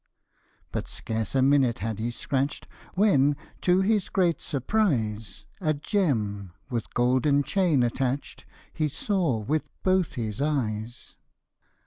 But scarce a minute had he scratch'd, When, to his great surprise, A gem, with golden chain attach'd, He saw with both his eyes.